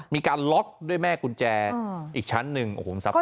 มีการล็อกด้วยแม่กุญแจอีกชั้นหนึ่งโอ้โหซับ